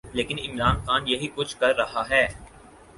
لیکن عمران خان یہی کچھ کر رہا ہے۔